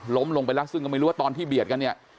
ลงไปแล้วซึ่งก็ไม่รู้ว่าตอนที่เบียดกันเนี่ย